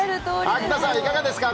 秋田さん、いかがですか？